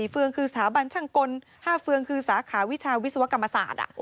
เฟืองคือสถาบันช่างกล๕เฟืองคือสาขาวิชาวิศวกรรมศาสตร์